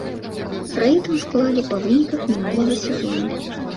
Рэйтынг склалі па выніках мінулага сезону.